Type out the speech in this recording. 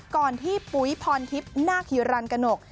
ก่อนที่ปุ๋ยพรทิพย์นาคฮิรันกนก